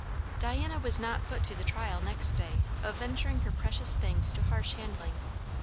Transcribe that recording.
Diana was not put to the trial next day of venturing her precious things to harsh handling.